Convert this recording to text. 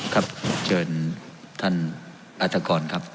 ครับเชิญท่านอาจกรครับ